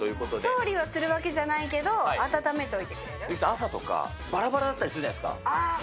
調理をするわけじゃないけど、朝とか、ばらばらだったりするじゃないですか。